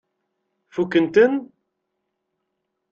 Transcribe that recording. Fukken-ten?